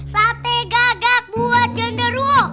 satenya gagak buat gender wo